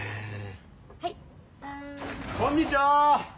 こんにちは！